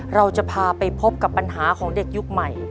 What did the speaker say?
เราจะพาไปพบกับปัญหาของเด็กยุคใหม่